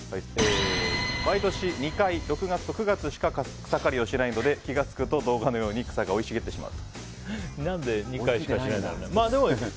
毎年２回、６月と９月しか草刈りをしないので気が付くと動画のように何で年２回しかしないんだろうね。